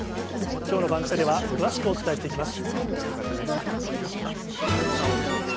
きょうのバンキシャ！では詳しくお伝えしていきます。